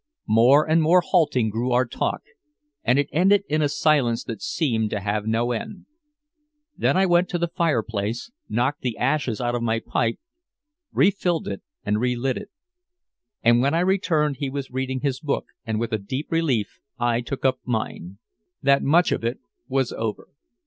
More and more halting grew our talk, and it ended in a silence that seemed to have no end. Then I went to the fireplace, knocked the ashes out of my pipe, refilled it and relit it. When I returned he was reading his book, and with deep relief I took up mine. That much of it was over.